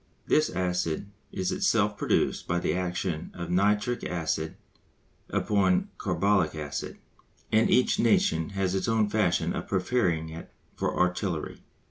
This acid is itself produced by the action of nitric acid upon carbolic acid, and each nation has its own fashion of preparing it for artillery.